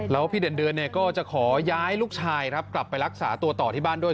แล้วพี่เดือนเดือนเนี่ยก็จะขอย้ายลูกชายครับกลับไปรักษาตัวต่อที่บ้านด้วย